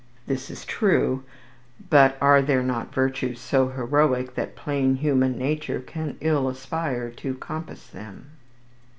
This is true, but are there not virtues so heroic that plain human nature can ill aspire to compass them?